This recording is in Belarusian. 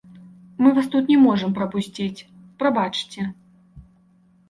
Мы вас тут не можам прапусціць, прабачце.